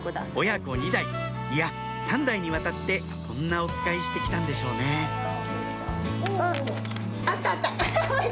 親子２代いや３代にわたってこんなおつかいして来たんでしょうねあったあった。